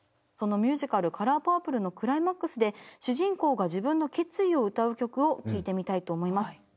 そのミュージカル「カラーパープル」のクライマックスで主人公が自分の決意を歌う曲を聴いてみたいと思います。